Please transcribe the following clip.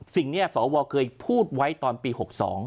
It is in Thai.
สิ่งนี้สวเคยพูดไว้ตอนปี๖๒